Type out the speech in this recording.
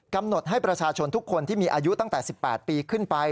กำหนดให้ประชาชนทุกคนที่มีอายุตั้งแต่๑๘ปีขึ้นไป